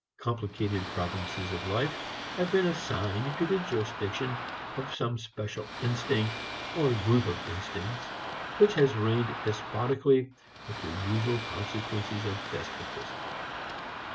Complicated provinces of life have been assigned to the jurisdiction of some special instinct or group of instincts, which has reigned despotically with the usual consequences of despotism.